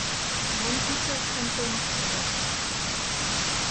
Мом тӧчат кантоныштыжо?